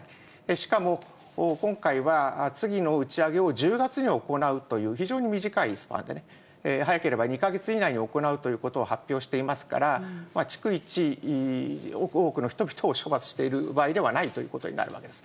しかも、今回は次の打ち上げを１０月に行うという、非常に短いスパンでね、早ければ２か月以内に行うということを発表していますから、逐一多くの人々を処罰している場合ではないということになるわけです。